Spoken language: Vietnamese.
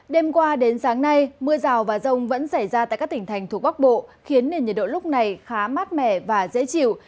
đêm qua đến sáng nay mưa rào và rông vẫn xảy ra tại các tỉnh thành thuộc bắc bộ khiến nền nhiệt độ lúc này khá mát mẻ và dễ chịu